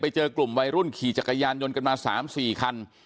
เจอกลุ่มวัยรุ่นขี่จักรยานยนต์กันมา๓๔คัน